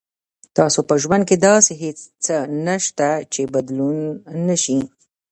تاسو په ژوند کې داسې هیڅ څه نشته چې بدلون نه شي.